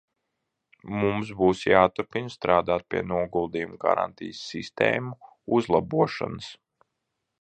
Mums būs jāturpina strādāt pie noguldījumu garantiju sistēmu uzlabošanas.